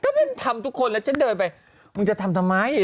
ถ้ามันทำทุกคนแล้วฉันเดินไปมึงจะทำทำไม